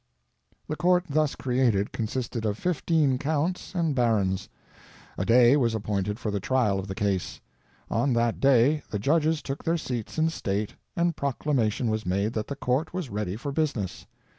The court thus created consisted of fifteen counts and barons. A day was appointed for the trial of the case. On that day the judges took their seats in state, and proclamation was made that the court was ready for business.